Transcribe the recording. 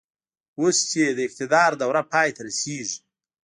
اوس چې يې د اقتدار دوره پای ته رسېږي.